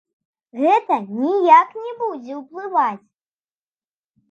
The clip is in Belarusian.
Гэта ніяк не будзе ўплываць.